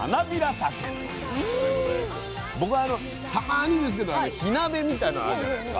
僕たまにですけど火鍋みたいなのあるじゃないですか。